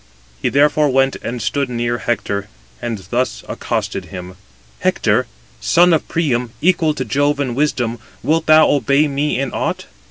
He therefore went and stood near Hector, and thus accosted him: "Hector, son of Priam, equal to Jove in wisdom, wilt thou obey me in aught?